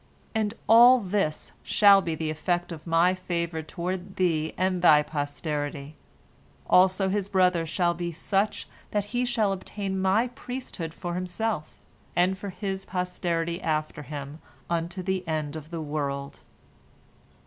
And all this shall be the effect of My favor toward thee and thy posterity. Also his brother shall be such that he shall obtain My priesthood for himself, and for his posterity after him, unto the end of the world."